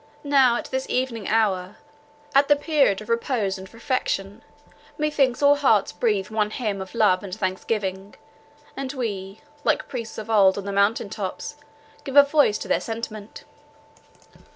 Now, at this evening hour, at the period of repose and refection, methinks all hearts breathe one hymn of love and thanksgiving, and we, like priests of old on the mountain tops, give a voice to their sentiment.